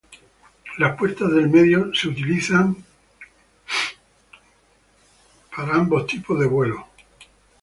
Las puertas del medio son utilizada por ambos tipos de vuelo.